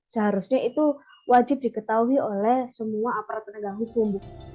seharusnya itu wajib diketahui oleh semua aparat penegak hukum